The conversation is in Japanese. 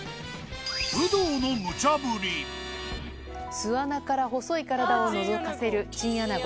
巣穴から細い体をのぞかせるチンアナゴ。